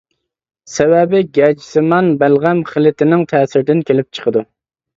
سەۋەبى گەجسىمان بەلغەم خىلىتىنىڭ تەسىرىدىن كېلىپ چىقىدۇ.